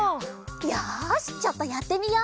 よしちょっとやってみよう！